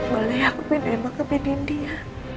boleh ya aku pindahin mbak ke bindindi ya